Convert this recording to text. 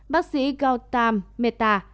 bác sĩ gautam mehta